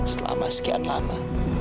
selama sekian lama